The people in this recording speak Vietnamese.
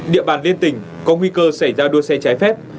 địa bàn liên tỉnh có nguy cơ xảy ra đua xe trái phép